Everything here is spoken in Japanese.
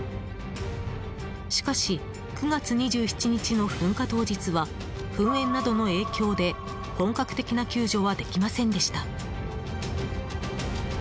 しかし、９月２７日の噴火当日は噴煙などの影響で本格的な救助はできませんでした。